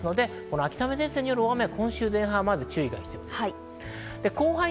秋雨前線による大雨が今週の前半に注意が必要です。